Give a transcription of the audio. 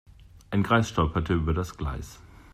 Ein Greis stolperte über das Gleis.